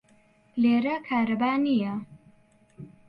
لێرە کارەبا نییە.